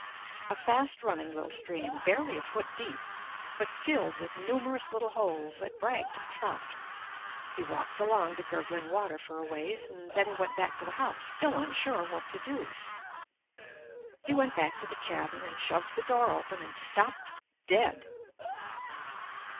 A fast running little stream, barely a foot deep but filled with numerous little holes that bragged of trout. He walked along the gurgling water for a ways, then he went back to the house, still unsure of what to do. He went back to the cabin and shoved the door open and stopped dead!